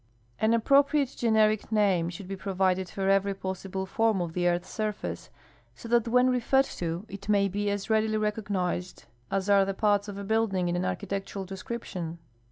An apj)ropriate generic name should be provided for every possible form of the earth's surface, so that when referred to it may be as readily recognized as are the parts of a building in an architectural description.